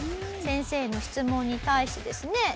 先生の質問に対してですね